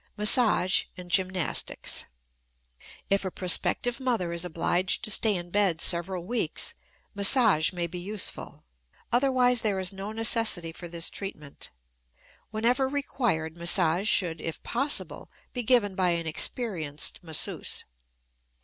MASSAGE AND GYMNASTICS. If a prospective mother is obliged to stay in bed several weeks, massage may be useful; otherwise there is no necessity for this treatment. Whenever required, massage should if possible be given by an experienced masseuse.